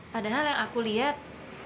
padahal yang aku lihat